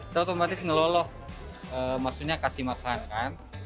dia otomatis ngeloloh maksudnya kasih makan kan